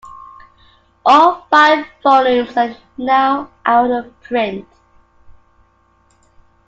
All five volumes are now out-of-print.